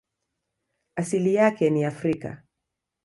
Asili yake ni Afrika.